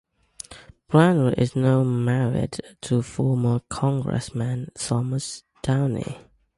Browner is now married to former Congressman Thomas Downey.